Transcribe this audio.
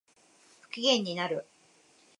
不機嫌になる